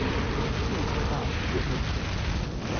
杜克大學論辯課